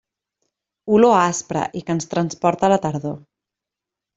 Olor aspra i que ens transporta a la tardor.